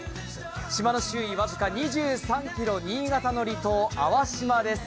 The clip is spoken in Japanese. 島の周囲僅か２３ｋｍ、新潟の離島粟島です。